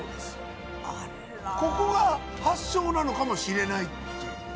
ここが発祥なのかもしれないっていう。